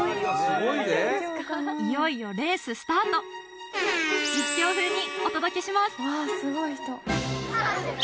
いよいよレーススタート実況風にお届けします